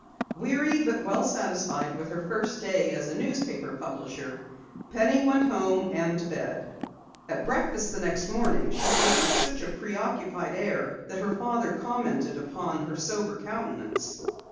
Weary but well satisfied with her first day as a newspaper publisher, Penny went home and to bed. At breakfast the next morning she ate with such a preoccupied air that her father commented upon her sober countenance.